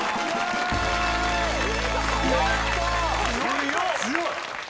強い！